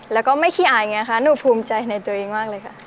แล้วก็ไม่ขี้อายไงคะหนูภูมิใจในตัวเองมากเลยค่ะ